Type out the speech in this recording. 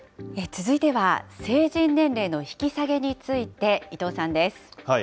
続いては成人年齢の引き下げについて、伊藤さんです。